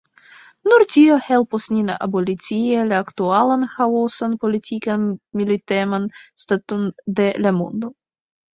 Nur tio helpos nin abolicii la aktualan ĥaosan politikan militeman staton de la mondo.